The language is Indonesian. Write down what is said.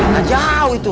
gak jauh itu